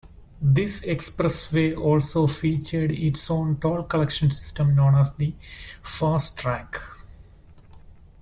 This expressway also featured its own toll collection system known as the "FasTrak".